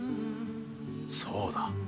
そうだ